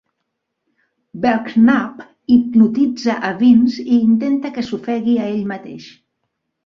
Belknap hipnotitza a Vince i intenta que s'ofegui a ell mateix.